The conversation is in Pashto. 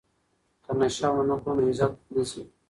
که نشه ونه کړو نو عزت نه ځي.